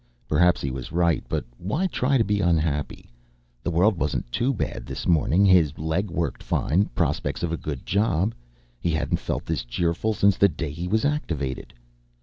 Perhaps he was right, but why try to be unhappy. The world wasn't too bad this morning his leg worked fine, prospects of a good job he hadn't felt this cheerful since the day he was activated.